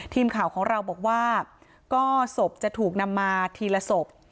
ทีมข่าวของเราบอกว่าก็ศพจะถูกนำมาทีละศพ